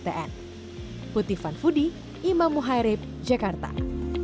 kami juga mencari pelajaran yang lebih mudah untuk membuatnya lebih mudah